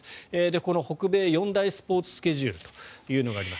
この北米四大スポーツスケジュールというのがあります。